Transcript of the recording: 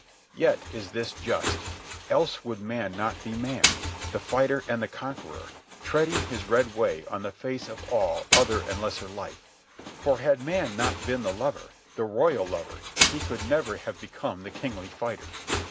Yet is this just, else would man not be man, the fighter and the conqueror, treading his red way on the face of all other and lesser life—for, had man not been the lover, the royal lover, he could never have become the kingly fighter.